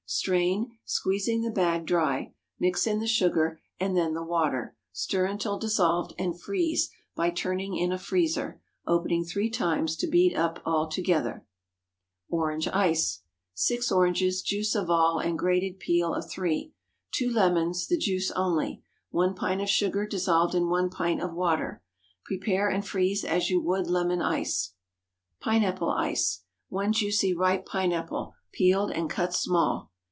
Strain, squeezing the bag dry; mix in the sugar, and then the water. Stir until dissolved, and freeze by turning in a freezer—opening three times to beat all up together. ORANGE ICE. ✠ 6 oranges—juice of all, and grated peel of three. 2 lemons—the juice only. 1 pint of sugar dissolved in 1 pint of water. Prepare and freeze as you would lemon ice. PINEAPPLE ICE. 1 juicy ripe pineapple—peeled and cut small.